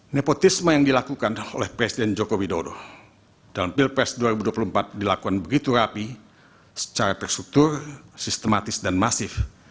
nepotisme yang dilakukan oleh presiden joko widodo dalam pilpres dua ribu dua puluh empat dilakukan begitu rapi secara terstruktur sistematis dan masif